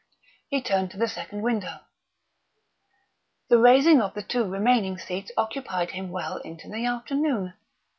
He turned to the second window. The raising of the two remaining seats occupied him until well into the afternoon.